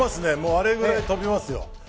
あれぐらい跳びますよ。